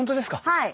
はい。